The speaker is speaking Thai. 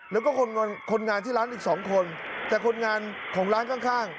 แล้วก็คนงานที่ร้านอีกสองคนแต่คนงานของร้านข้าง